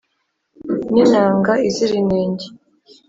ni inanga izira inenge